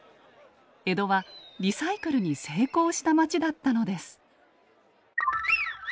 江戸はリサイクルに成功した街だったのです。